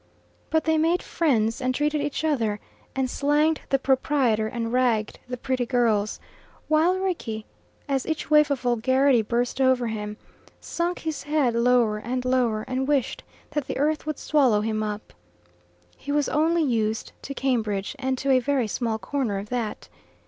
But they made friends and treated each other, and slanged the proprietor and ragged the pretty girls; while Rickie, as each wave of vulgarity burst over him, sunk his head lower and lower, and wished that the earth would swallow him up. He was only used to Cambridge, and to a very small corner of that.